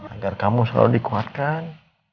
agar kamu selalu dikuatkan